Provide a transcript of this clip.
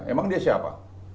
emang dia siapa